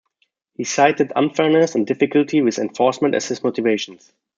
He cited unfairness and difficulty with enforcement as his motivations.